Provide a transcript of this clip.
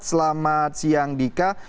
selamat siang dika